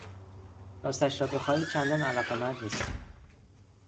راستش را بخواهی چندان علاقهمند نیستم.